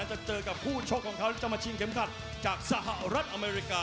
จะเจอกับผู้ชกของเขาที่จะมาชิงเข็มขัดจากสหรัฐอเมริกา